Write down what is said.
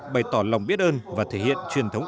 bày tỏ lòng biết ơn và thể hiện truyền thống